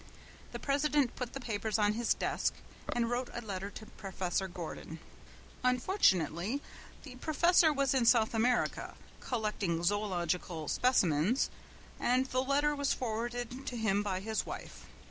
The president put the papers on his desk and wrote a letter to Professor Gordon. Unfortunately the Professor was in South America collecting zoological specimens, and the letter was forwarded to him by his wife.